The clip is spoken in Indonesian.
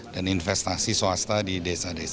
investasi swasta di desa desa